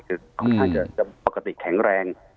เป็นปกติแข็งแรง